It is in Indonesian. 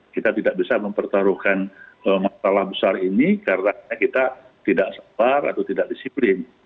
kita tidak bisa mempertaruhkan masalah besar ini karena kita tidak sabar atau tidak disiplin